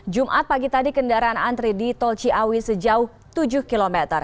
jumat pagi tadi kendaraan antri di tol ciawi sejauh tujuh km